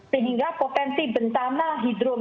sehingga potensi bentana hidrometrik